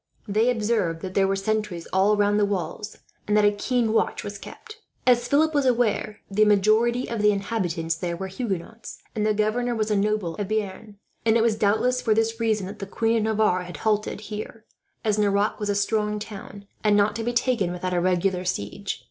They observed that there were sentries all round the walls, and that a keen watch was kept. As Philip was aware, the majority of the inhabitants there were Huguenots, and the governor was a nobleman of Bearn; and it was doubtless for this reason that the Queen of Navarre had halted there, as Nerac was a strong town, and not to be taken without a regular siege.